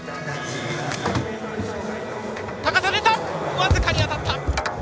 僅かに当たった。